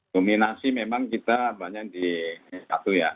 dominasi memang kita banyak dikawal